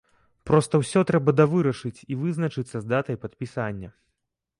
Проста ўсё трэба давырашыць і вызначыцца з датай падпісання.